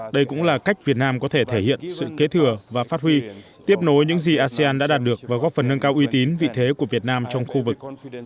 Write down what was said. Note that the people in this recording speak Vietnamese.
đây cũng là cách việt nam có thể thể hiện sự kế thừa và phát huy tiếp nối những gì asean đã đạt được và góp phần nâng cao uy tín vị thế của việt nam trong khu vực